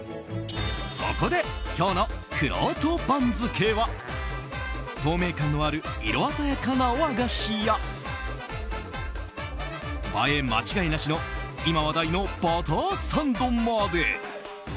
そこで今日のくろうと番付は透明感のある色鮮やかな和菓子や映え間違いなしの今、話題のバターサンドまで。